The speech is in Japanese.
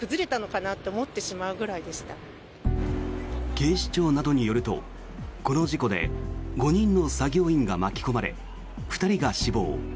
警視庁などによるとこの事故で５人の作業員が巻き込まれ２人が死亡。